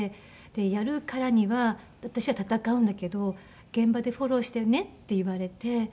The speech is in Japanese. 「やるからには私は闘うんだけど現場でフォローしてね」って言われて。